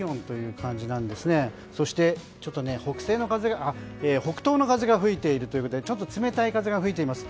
そして北東の風が吹いているということでちょっと冷たい風が吹いています。